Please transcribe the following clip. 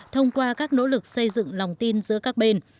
thông qua các nỗ lực xây dựng lòng tin giữa các bên